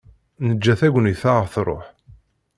Neǧǧa tagnit ad ɣ-truḥ.